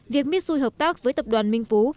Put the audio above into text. việc mitsui hợp tác với tập đoàn minh phú